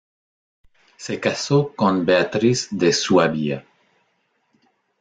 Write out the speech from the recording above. Se casó con Beatriz de Suabia.